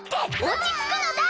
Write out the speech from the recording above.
落ち着くのだ